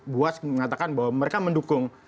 buas mengatakan bahwa mereka mendukung